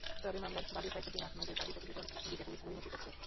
তবে মামলার বাদী সাইফুদ্দিন আহমেদের দাবি, প্রতিবেদন দিতে পুলিশ গড়িমসি করছে।